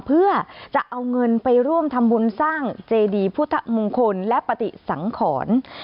เพื่อจะเอาเงินไปร่วมทำบุญสร้างเจดีพุทธมงคลและปฏิสังขร